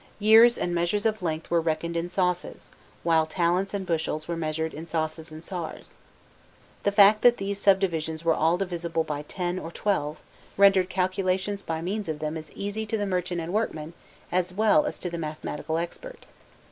Years and measures of length were reckoned in sosses, while talents and bushels were measured in sosses and sars. The fact that these subdivisions were all divisible by 10 or 12, rendered calculations by means of them easy to the merchant and workmen as well as to the mathematical expert.